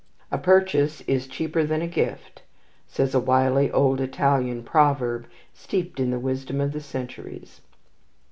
"A purchase is cheaper than a gift," says a wily old Italian proverb, steeped in the wisdom of the centuries.